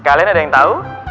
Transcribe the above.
kalian ada yang tau